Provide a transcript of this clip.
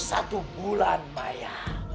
satu bulan maya